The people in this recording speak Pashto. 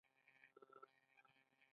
ستا په لمس سره مې د ګوتو په سرونو کې